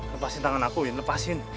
lepasin tangan aku ya lepasin